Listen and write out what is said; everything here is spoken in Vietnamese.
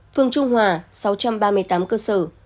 phương trung hòa sáu trăm ba mươi tám cơ sở